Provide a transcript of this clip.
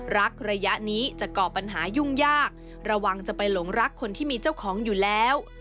ระยะนี้จะก่อปัญหายุ่งยากระวังจะไปหลงรักคนที่มีเจ้าของอยู่แล้ว